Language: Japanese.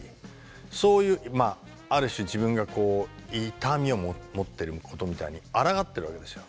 そういうまあある種自分がこう痛みを持ってることみたいにあらがってるわけですよ。